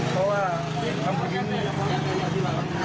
เพราะว่าเขาไว้ทำขนาดนี้